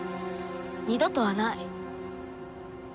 二度とはない。